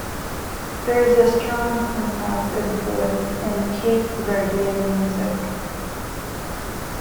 There is a strong compas influence in Cape Verdean music.